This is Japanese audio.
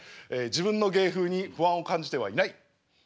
自分の芸風に不安を感じてはいない。